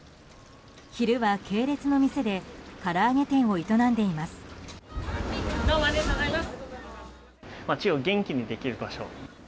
昼は系列の店でから揚げ店を営んでいます。